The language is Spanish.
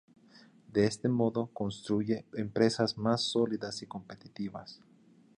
De este modo, construye empresas más sólidas y competitivas.